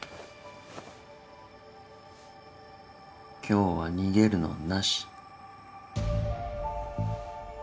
今日は逃げるのなし。